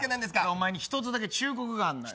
俺お前に一つだけ忠告があんのよ。